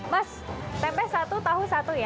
mas tempe satu tahu satu ya